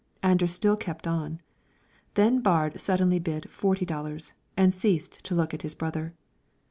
Anders still kept on. Then Baard suddenly bid forty dollars, and ceased to look at his brother.